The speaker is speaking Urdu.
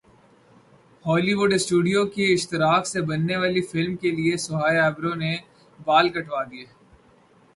ہولی وڈ اسٹوڈیو کے اشتراک سے بننے والی فلم کیلئے سہائی ابڑو نے بال کٹوادیے